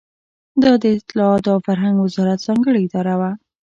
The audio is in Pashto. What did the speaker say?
دا د اطلاعاتو او فرهنګ وزارت ځانګړې اداره وه.